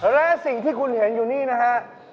และสิ่งที่คุณเห็นอยู่นี่นะฮะ